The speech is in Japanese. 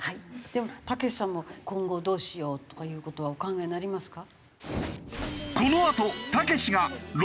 でもたけしさんも今後どうしようとかいう事はお考えになりますか？